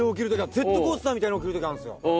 ジェットコースターみたいに起きる時あるんですよ。